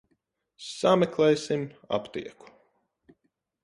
Sameklēsim aptieku.